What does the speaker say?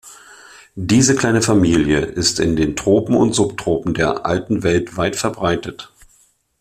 Diese kleine Familie ist in den Tropen und Subtropen der Alten Welt weit verbreitet.